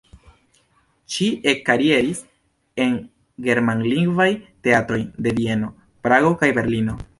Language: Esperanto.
Ŝi ekkarieris en germanlingvaj teatroj de Vieno, Prago kaj Berlino.